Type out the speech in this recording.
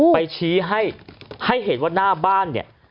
ไปชี้ให้เห็นว่าหน้าบ้านเนี่ย